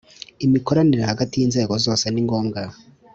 imikoranire hagati y inzego zose ningombwa.